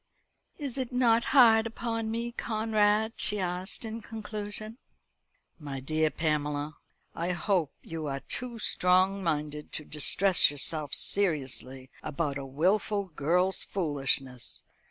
"Is it not hard upon me, Conrad?" she asked in conclusion. "My dear Pamela, I hope you are too strong minded to distress yourself seriously about a wilful girl's foolishness.